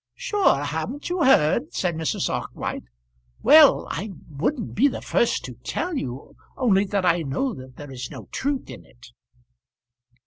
"Sure, haven't you heard?" said Mrs. Arkwright. "Well, I wouldn't be the first to tell you, only that I know that there is no truth in it."